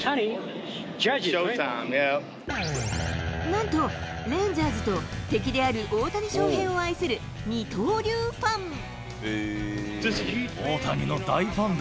なんと、レンジャーズと敵である大谷翔平を愛する、二刀流ファン。